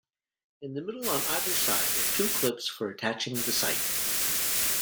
In the middle on either side are two clips for attaching the sight.